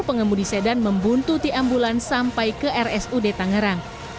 pengemudi sedan membuntuti ambulan sampai ke rsud tangerang